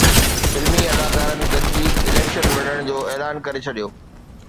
فلمي اداڪارن گڏجي اليڪشن وڙهڻ جو اعلان ڪري ڇڏيو